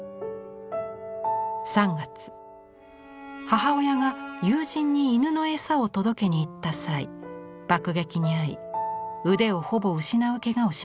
３月母親が友人に犬の餌を届けに行った際爆撃に遭い腕をほぼ失うけがをしました。